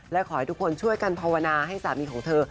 และขอให้ทุกคนช่วยกันภาวนาให้สามีของเธอ